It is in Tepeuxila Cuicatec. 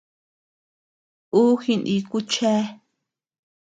Uu jiniku chéa.